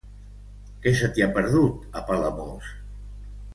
Què se t'hi ha perdut, a Palamós?